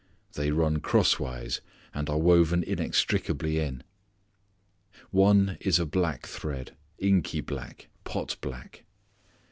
They run crosswise and are woven inextricably in. One is a black thread, inky black, pot black.